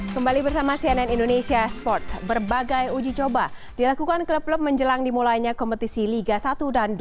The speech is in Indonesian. kembali bersama cnn indonesia sports berbagai uji coba dilakukan klub klub menjelang dimulainya kompetisi liga satu dan dua